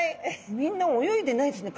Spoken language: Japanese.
みんな泳いでないですね体